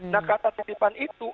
nah kata titipan itu